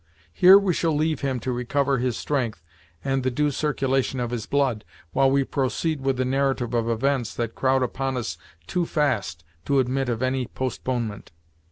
Here we shall leave him to recover his strength and the due circulation of his blood, while we proceed with the narrative of events that crowd upon us too fast to admit of any postponement.